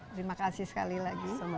terima kasih sekali lagi bu yo